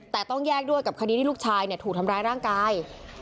แต่ต้องแยกด้วยกับคดีที่ลูกชายถูกทำร้ายร่างกาย